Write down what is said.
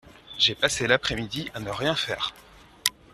J’ai passé l’après-midi à ne rien faire.